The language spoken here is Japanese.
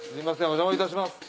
お邪魔いたします。